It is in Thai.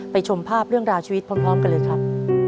ชมภาพเรื่องราวชีวิตพร้อมกันเลยครับ